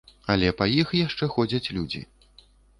Але па іх яшчэ ходзяць людзі.